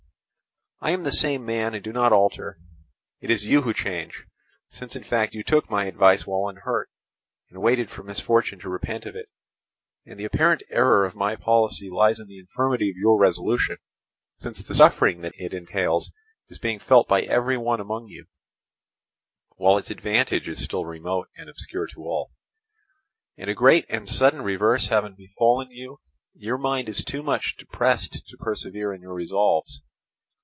I am the same man and do not alter, it is you who change, since in fact you took my advice while unhurt, and waited for misfortune to repent of it; and the apparent error of my policy lies in the infirmity of your resolution, since the suffering that it entails is being felt by every one among you, while its advantage is still remote and obscure to all, and a great and sudden reverse having befallen you, your mind is too much depressed to persevere in your resolves.